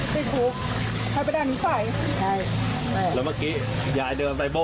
ที่กราบขอเข้ามาพระอาจารย์อยู่นะครับ